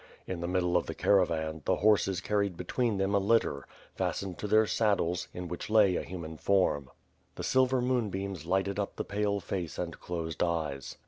In the middle of the caravan, the horses carried between them a litter, fastened to their saddles, in which lay a human form. The silver moonbeams lighted up the pale face and closed eyes.